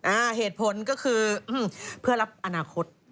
อ่าเหตุผลก็คือเพื่อรับอนาคต